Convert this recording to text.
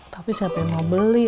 tapi siapa yang mau beli